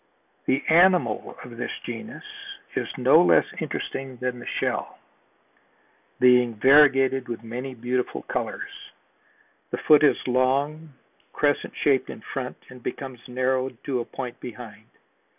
The animal of this genus is no less interesting than the shell, being variegated with many beautiful colors. The foot is long, crescent shaped in front and becomes narrowed to a point behind.